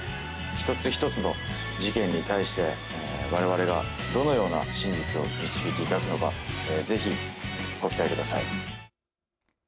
一つ一つの事件に対して我々がどのような真実を導き出すのかぜひ、ご期待ください。